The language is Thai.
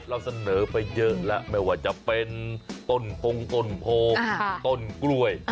เราเสนอไปเยอะแล้วไม่ว่าจะเป็นต้นพงต้นโพต้นกล้วย